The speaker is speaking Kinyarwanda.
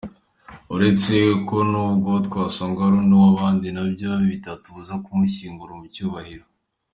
Uretse ko n’ubwo twasanga ari uw’undi na byo bitatubuza kumushyingura mu cyubahiro.